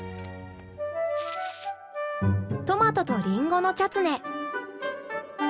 「トマトとリンゴのチャツネ」。